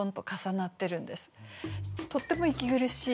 とっても息苦しい。